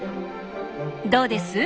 どうです？